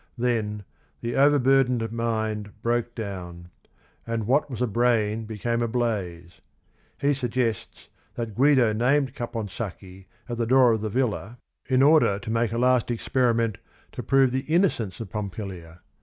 Then "the overburdened mind broke down," and "what was a brain became a blaze." He suggests that Guido named Caponsacchi at the door of the villa in order to make a last experiment to prove the innocence of Pompilia.